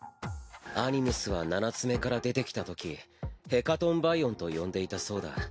アニムスは七つ眼から出てきたときヘカトンバイオンと呼んでいたそうだ。